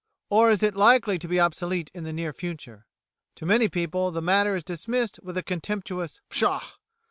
or is it likely to be obsolete in the near future? To many people the matter is dismissed with a contemptuous _Pshaw!